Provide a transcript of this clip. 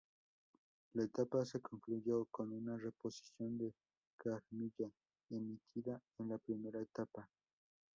La etapa se concluyó con una reposición de "Carmilla", emitida en la primera etapa.